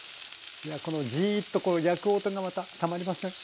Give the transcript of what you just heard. このジーッとこう焼く音がまたたまりません。